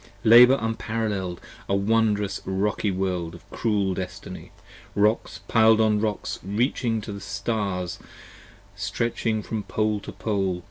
Labour unparall[el]ed! a wondrous rocky World of cruel destiny, Rocks piled on rocks reaching the stars, stretching from pole to pole.